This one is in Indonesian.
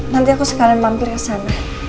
nanti aku sekalian mampir ke sana